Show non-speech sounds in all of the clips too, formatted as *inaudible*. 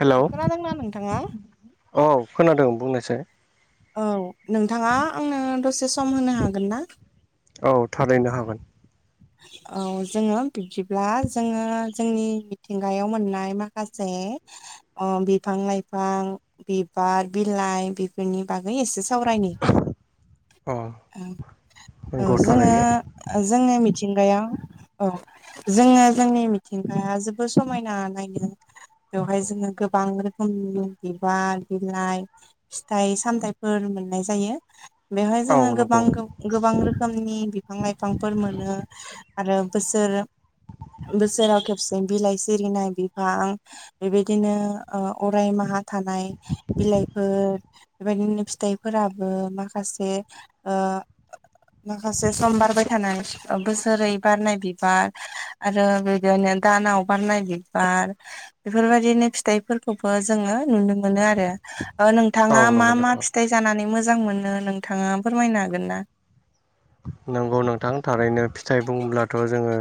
Hello खोनादोंना नोंथाङा? औ खोनादों बुंनोसै। औ नोंथांङा आंनो दसे सम होनो हागोन ना? औ थारैनो हागोन। औ जोंङो बिब्दिब्ला जोंङो जोंनि मिथिंगायाव मोननाय माखासे अ बिफां - लाइफां बिबार बिलाइ बेफोरनि बागै एसे सावरायनि औ औ नंगौ जोंङो थारैनो जोंनि मिथिंगायाव औ। जोंङो जोंनि मिथिंगाया जोबोद समायना नायनो। बेवहाय जोंङो गोबां रोखोमनि बिबार बिलाइ फिथाइ सामथायाइफोर मोननाय जायो बेवहाय औ जोंङो गोबां नंगौ गोबां रोखोमनि बिफां लाइफांफोर मोनो आरो बोसोर बोसोराव खेबसे बिलाइ सिरिनाय बिफां बेबायदिनो अराय माहा थानाय बिलाइफोर बेबायदिनो फिथाइफोराबो माखासे ओ माखासे सम बारबाय थानाय बोसोरै बारनाय बिबार आरो बिदिनो दानाव बारनाय बिबार बेफोरबायदिनो फिथाइफोरखौबो जोङो नुनो मोनो आरो। औ नोंथाङा नंगौ मा मा नोंथां फिथाइ जानानै मोजां मोनो नोंथाङा फोरमायनो हागोन ना? नंगौ नोंथां थारैनो फिथाइ बुङोब्लाथ' जोङो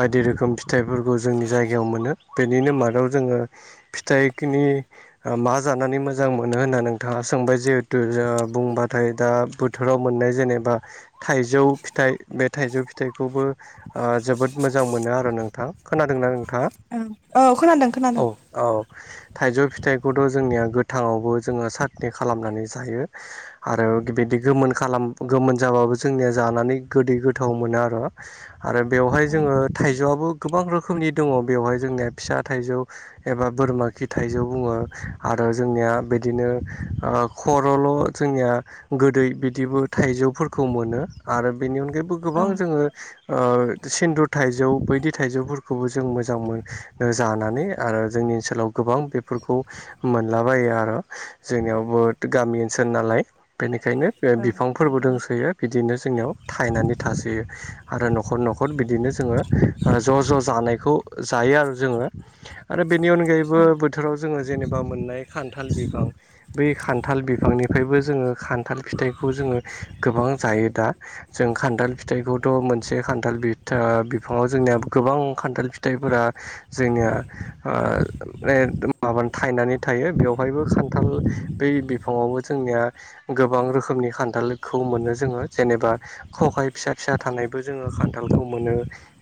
बायदि रोखोम फिथाइफोरखौ जोंनि जायगायाव मोनो बेनिनो मादाव जोङो फिथाइनि मा जानानै मोजां मोनो होनना नोंथाङा सोंबाय जिहेतु बुंबाथाय दा बोथोराव मोननाय जेनेबा थाइजौ फिथाइ बे थाइजौ फिथाइखौबो जोबोद मोजां मोनो आरो नोंथां खोनादोंना नोंथांङा? औ औ खोनादों खोनादों। औ थाइजौ फिथाइखौथ' जोंनिया गोथाङावबो जोङो सटनि खालामनानै जायो। आरो बेबायदि गोमोन खालाम गोमोन जाबो जोंनिया जानानै गोदै गोथाव मोनो आरो आरो बेवहाय ओं जोंङो थाइजौआबो गोबां रोखोमनि दङ बेवहाय जोंनिया फिसा थाइजौ एबा बोरमा खि थाइजौ बुंङो आरो जोंनिया बिदिनो खर'ल' जोंनिया गोदै बिदिबो थाइजौफोरखौ खौ मोनो आरो बेनि अनगायैबो गोबां ओं जोंङो ओ सिन्दुर थाइजौ बायदि थाइजौफोरखौबो जों मोजां मोनो जानानै आरो जोंनि ओनसोलाव गोबां बेफोरखौ मोनलाबायो आरो जोंनियाव बहु गामि ओनसोल नालाय बेनिखायनो औ बिफांफोरबो नंगौ दंसोयो बिदिनो जोंनियाव थायनानै थासोयो आरो न'खर न'खर न'खर बिदिनो जोंङो ज' ज' जानायखौ जायो आरो जोंङो। आरो बेनि अनगायैबो ओं बोथोराव जोंङो जेनेबा मोननाय खान्थाल बिफां बै खान्थाल बिफांनिफ्रायबो जोंङो खान्थाल फिथाइखौ जोंङो गोबां जायो दा। जों खान्थाल फिथाइखौथ' मोनसे खान्थाला बिफाङाव जोंनिया गोबां खान्थाल फिथाइफोरा जोंनिया माब थायनानै थायो बेवहायबो खान्थाल बै बिफाङावबो जोंनिया गोबां रोखोमनि खान्थालखौ मोनो जोंङो जेनेबा खखाय फिसा फिसा थानायबो जोंङो खान्थालखौ मोनो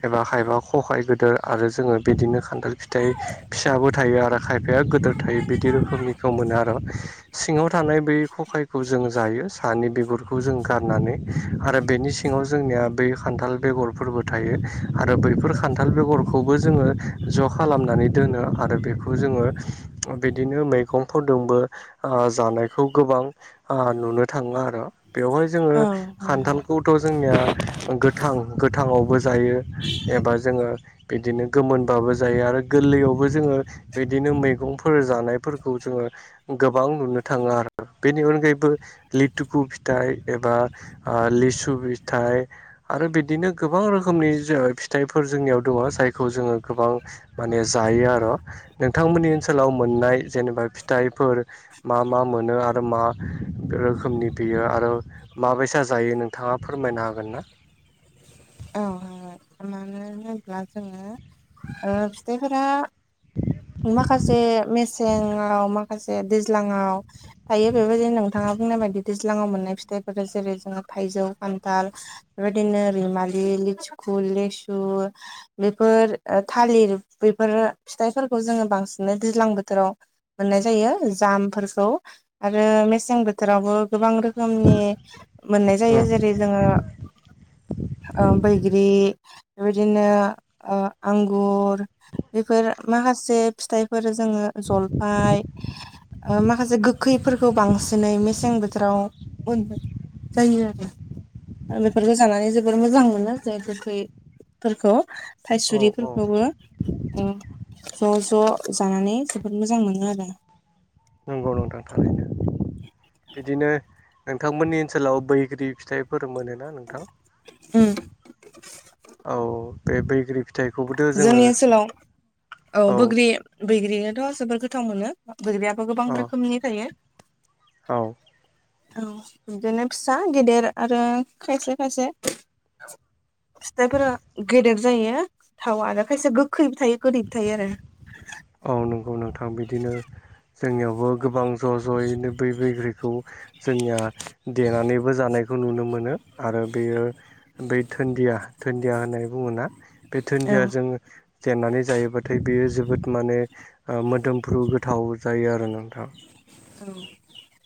एबा खखायबा खहाय गिदिर आरो जोङो बिदिनो खान्थाल फिथाइ फिसाबो थायो आरो खायफाया गिदोर थायो बिदि रोखोमनिखौ मोनो आरो सिङाव थानाय बै खखायखौ जों जायो सानि बिगुर खौ जों गारनानै आरो बेनि सिङाव जोंनिया बै खान्थाल बेगरफोरबो थायो आरो बैफोर खान्थाल बेगरखौबो जोंङो ज' खालामनानै दोनो आरो बेखौ जोंङो बिदिनो मैगंफोरजोंबो जानायखौ गोबां ओ नुनो थांङो आरो बेवहाय जोंङो औ नंगौ। खान्थालखौ थ' जोंनिया गोथां गोथांङावबो जायो एबा जोंङो बिदिनो गोमोनबाबो जायो आरो गोरलैयावबो जोंङो बिदिनो मैगंफोर जानायफोरखौ जोङो गोबां नुनो थाङा आरो बेनि अनगायैबो लिथुकु फिथाइ एबा लिसु फिथाइ आरो बिदिनो गोबां रोखोमनि फिथाइफोर जोंनियाव दङ जायखौ जोङो गोबां माने जायो आरो नोंथांमोननि ओनसोलाव मोननाय जेनेबा फिथाइफोर मा मा मोनो आरो मा रोखोमनि बियो आरो माबैसा जायो नोंथाङा फोरमायनो हागोन ना औ मानो होनोब्ला जोङो फिथाइफोरा माखासे मेसेंङाव माखासे दैज्लाङाव थायो बेबायदिनो नोंथाङा बुंनाय बायदि दैज्लाङाव मोननाय फिथाइफोर जेरै जोङो थाइजौ खान्थाल बेबायदिनो रैमालि बे लेथुखु लेसु बेफोर थालिर बेफोरो फिथाइफोरखौ जोङो बांसिन दैज्लां बोथोराव मोननाय जायो जामफोरखौ आरो मेसें बोथोरावबो गोबां रोखोमनि मोननाय जायो जेरै जोङो *inaudible* बैग्रि बेबायदिनो आंगुर बेफोर माखासे फिथाइफोर जोंङो जलफाय माखासे गोखैफोरखौ बांसिनै मेसें बोथोराव मोनो जायो आरो बेफोरखौ जानानै जों जोबोर मोजां मोनो जे गोखैफोरखौ औ औ थाइसुरिफोरखौबो ज' ज' जानानै जोबोद मोजां मोनो आरो नंगौ नोंथां थरैनो बिदिनो नोंथांमोननि ओनसोलाव बैग्रि फिथाइ फोर मोनोना नोंथां उम औ बे बैग्रि फि जोंनि ओनसोलाव औ बैग्रि बैग्रिखोथ जोबोर गोथाव मोनो बैग्रियाबो गोबां औ रोखोमनि थायो औ औ बिदिनो फिसा गेदेर आरो खायसे खायसे फिथाइफोरा गेदेर जायो थावा आरो खायसे गोखै थायो गोदै थायो आरो औ नंगौ नोंथां बिदिनो जोंनियावबो गोबां ज' ज'यैनो बै बैग्रिखौ जोंनिया देनानैबो जानायखौ नुनो मोनो आरो बेयो बै धोन्दिया धोनन्दिया होननानै बुङोना बे धोन्दिया जों देनानै जायोबाथाय बेयो जोबोद माने मोदोमफ्रु गोथाव जायो आरो नोंथां औ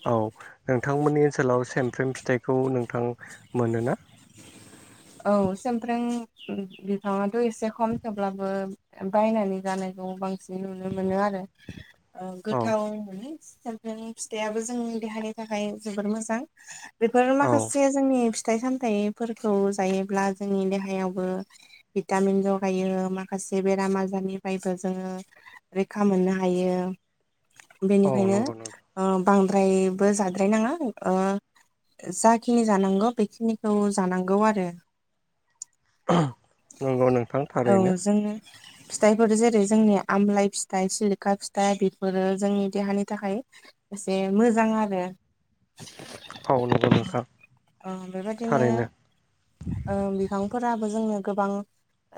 औ नोंथांमोननि ओनसोलाव सेमफ्रेम फिथाइखौ नोंथां मोनोना औ सोमफ्रें बिफाङाथ एसे खम थेवब्लाबो बायनानै जानायखौ बांसिन नुनो मोनो आरो औ गोथाव मोनो सामफ्राम फिथायाबो जोंनि देहानि थाखाय जोबोर मोजां बेफोर औ माखासे जोंनि फिथाइ सामथाइफोरखौ जायोब्ला जोंनि देहायावबो भिटामिन जगायो माखासे बेराम आजारनिफ्रायबो जोङो रैखा मोननो हायो औ नंगौ नोंथां बेनिखायनो बांद्रायबो जाद्राय नङा ओ जाखिनि जानांगौ बेखिनिखौ जानांगौ आरो *unintelligible* नंगौ नोंथां औ थारैनो जोङो फिथाइफोर जेरै जोंनि आमलाइ फिथाइ सिलिखा फिथाइ बेफोरो जोंनि देहानि थाखाय एसे मोजां आरो नंगौ नोंथां औ बेबायदिनो थारैनो बिफांफोराबो जोंनो गोबां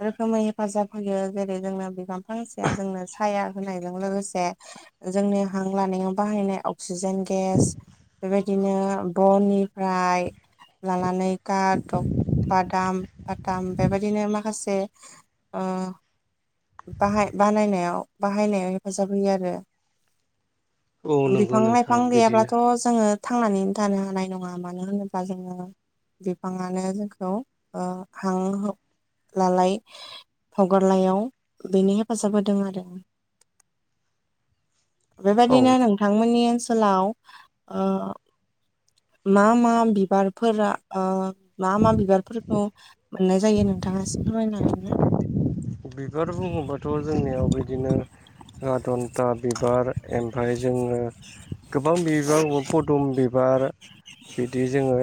रोखोमै हेफाजाब होयो जेरै जोंनो बिफां फांसेया जोंनो साया होनायजों लोगोसे जोंनि हां लानायाव बाहायनाय अक्सिजेन गेस बेबायदिनो बननिफ्राय लानानै गादब बादाम बाथाम बेबायदिनो माखासे बाहाय बानायनायाव बाहायनायाव हेफाजाब होयो आरो औ नंगौ बिफां नोंथां लाइफां बिदिनो गैयाब्लाथ' जोङो थांनानै थानो हानाय नङा मानो होनोब्ला जोङो बिफाङानो जोंखौ हां लालाय हगारलायाव बेनो हेफाजाब होदों आरो औ बेबायदिनो नोंथांमोननि ओनसोलाव मा मा बिबारफोरा मा मा बिबारफोरखौ मोननाय जायो नोंथाङा एसे फोरमायनो हागोन ना बिबार बुङोबाथ' जोंनियाव बिदिनो आ *unintelligible* थन्था बिबार ओमफ्राय जोङो गोबां बिबार पदुम बिबार बिदि जोङो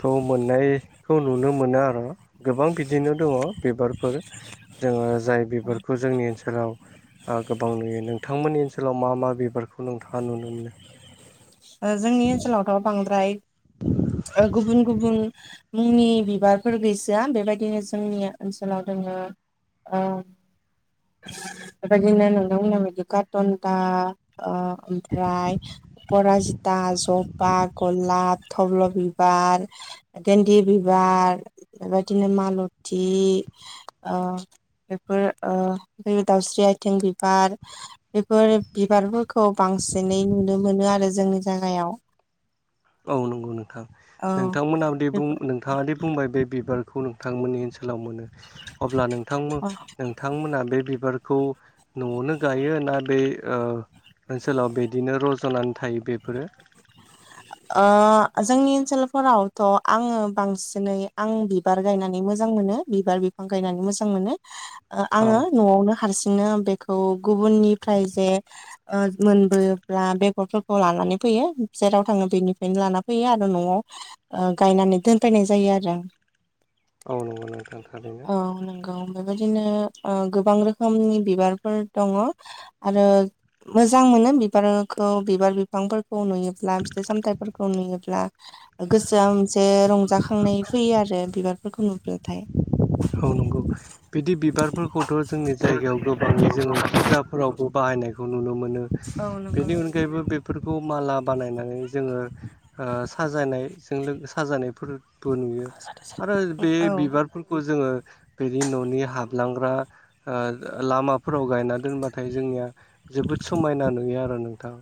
खौ मोननायखौ नुनो मोनो आरो गोबां बिदिनो दङ बिबारफोर जोङो जाय बिबारखौ जोंनि ओनसोलाव गोबां नुयो नोंथांमोननि ओनसोलाव मा मा बिबारखौ नोंथाङा नुनो मोनो जोंनि ओनसोलावथ बांद्राय गुबुन गुबुन मुंनि बिबारफोर गैसआ बेबायदिनो जोंनि ओनसोलाव दोङो औ बेबायदिनो नोंथांमोना बिदि कासन्दा ओमफ्राय राजजिता जबा गलाप थब्ल बिबार गेन्दि बिबार बेबायदिनो मालथि बेफोर बे दाउस्रि आइथिं बिबार बेफोर बिबारफोरखौ बांसिनै नुनो मोनो आरो जोंनि जायगायाव औ नंगौ नोंथां औ नोंथांमोना बुंदों नोंथाङादि बुंबाय बे बिबारखौ नोंथांमोननि ओनसोलाव मोनो अब्ला नोंथांमोन बिथांमोना बे बिबारखौ न'आवनो गायो ना बे ओनसोलाव बिदिनो रज'नानै थायो बेफोरो जोंनि ओनसोलफोरावथ' आङो बांसिनै आं बि बिबार गायनानै मोजां मोनो बिबार बिफां गायनानै मोजां मोनो औ आङो नआवनो हारसिंनो बेखौ गुबुननिफ्राय जे मोनबोब्ला बेगरफोरखौ लानानै फैयो जेराव आङो बेनिफ्रायनो लाना फैयो आरो न'आव गायनानै दोनफैनाय जायो आरो आं औ नंगौ नोंथां थारैनो औ नंगौ बेबायदिनो गोबां रोखोमनि बिबारफोर दङ आरो मोजां मोनो बिबारखौ बिबार बिफांफोरखौ नुयो मोनसे सामथाइफोरखौ नुयोब्ला गोसोआ मोनसे रंजाखांनाय फैयो आरो बेब फोरखौ नुबबोयोथाय। औ नंगौ बिदि बिबारफोरखौथ' जोंनि जायगायाव गोबाङै जोङो फुजा फोरावबो बाहायनायखौ नुनो मोनो औ नंगौ बेनि अनगायैबो बे बेफोरखौ माला बानायनानै जोङो साजानायजों साजानायफोरबो नुयो आरो बे औ बिबार खौ जोङो बेनि न'नि हाबलांग्रा लामाफोराव गायना दोनबाथाय जोंनिया जोबोद समायना नुयो आरो नोंथां।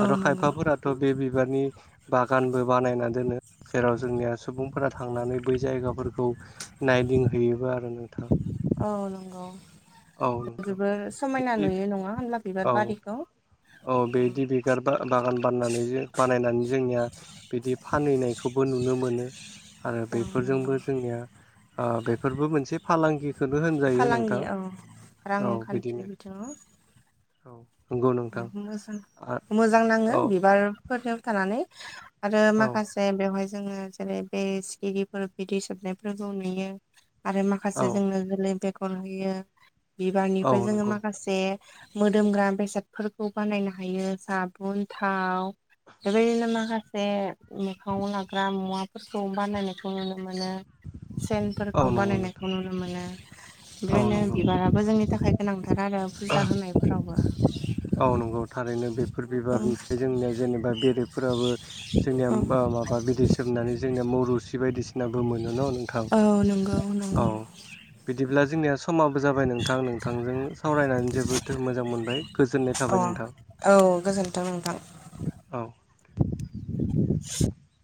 औ आरो नंगौ खायफाफोराथ' बे बिबारनि बागानबो बानायना दोनो जेराव जोंनिया सुबुंफोरा थांनानै बै जायगाफोरखौ नायदिंहैयोबो आरो नोंथां। औ नंगौ औ नोंथां जबोोर समायना नुयो नङा हब्ला बिबार औ बारिखौ। औ बेदि बिगार बागान बागान बनानै बानायनानै जोंनिया बिदि फानहैनायखौबो नुनो मोनो। आरो बेफोरजोंबो जोंनिया ओ बेफोरबो मोनसे फालांगिखौनो होनजायो फालांगि नोंथां औ औ रांखान्थि बिदिनो औ नंगौ नोंथां औ मो मोजां नांङो औ बिबारफोरनियाव थानानै आरो माखासे बेवहाय जोंङो जेरै बे सिखिरिफोर बिदि सोबनायफोरखौ नुयो। आरो औ माखासे जोंङोनो जोलै बेगर होयो औ बिबारनिफ्राय जोंङो नंगौ माखासे मोदोमग्रा बेसादफोरखौ बानायनो हायो साबुन थाव बेबायदिनो माखासे मोखांङाव लाग्रा मुवाफोरखौ बानायनायखौ नुनो मोनो। औ सेनफोरखौ नंगौ नोंथां बानायनायखौ नुनो मोनो औ बेनो नंगौ बिबाराबो जोंनि थाखाय गोनांथार आरो। फुजा होनायफोरावबो औ नंगौ थारैनो बे बेफोर औ बिबारनिफ्राय जोंनिया जेनेबा बेरेफोराबो जोंनिया औ माबा बेदे सो जोबनानै जोंनिया मरुसि बायदिसिनाबो मोनो न' नोंथां औ नंगौ औ नंगौ बिदिब्ला जोंनिया समाबो जाबाय नोंथां नोंथांजों सावरायनानै जोबोद मोजां मोनबाय। गोजोननाय अ थाबाय नोंथां। औ गोजोन्थों नोंथां। औ *inaudible*